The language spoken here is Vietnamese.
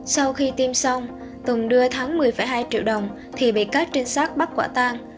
sau khi tiêm xong tùng đưa thắng một mươi hai triệu đồng thì bị các trinh sát bắt quả tang